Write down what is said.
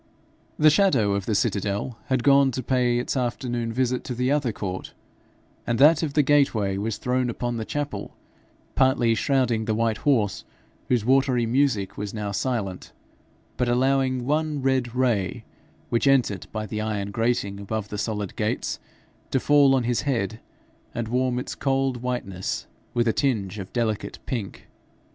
The shadow of the citadel had gone to pay its afternoon visit to the other court, and that of the gateway was thrown upon the chapel, partly shrouding the white horse, whose watery music was now silent, but allowing one red ray, which entered by the iron grating above the solid gates, to fall on his head, and warm its cold whiteness with a tinge of delicate pink.